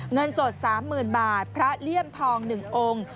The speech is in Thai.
เงินสด๓๐๐๐บาทพระเลี่ยมทอง๑องค์